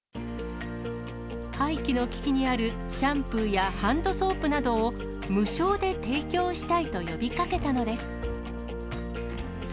廃棄の危機にあるシャンプーやハンドソープなどを、無償で提供したいと呼びかけたのです。